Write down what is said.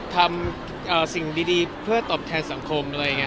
ทำสิ่งดีเพื่อตอบแทนสังคม